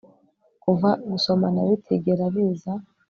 Kuva gusomana bitigera biza